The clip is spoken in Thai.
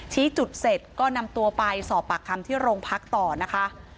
ชี้จุดเสร็จก็นำตัวไปสอบปากคำที่โรงพักต่อนะคะ